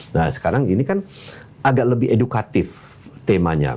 nah sekarang ini kan agak lebih edukatif temanya